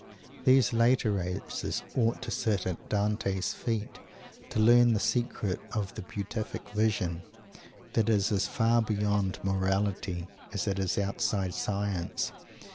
These latter races ought to sit at Dante's feet, to learn the secret of the "Beatific Vision" that is as far beyond morality as it is outside science.